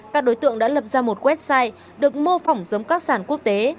các đối tượng đã lập ra một website được mô phỏng giống các sản quốc tế